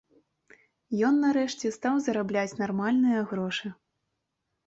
Ён нарэшце стаў зарабляць нармальныя грошы.